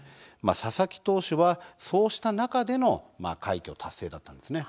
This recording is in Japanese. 佐々木投手はそうした中での快挙達成だったんですね。